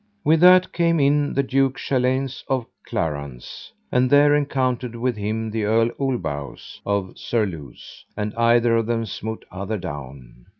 With that came in the Duke Chaleins of Clarance, and there encountered with him the Earl Ulbawes of Surluse, and either of them smote other down.